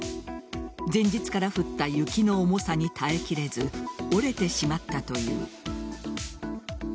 前日から降った雪の重さに耐え切れず折れてしまったという。